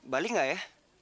balik nggak ya